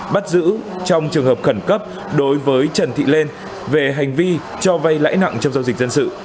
bắt giữ trong trường hợp khẩn cấp đối với trần thị lên về hành vi cho vay lãi nặng trong giao dịch dân sự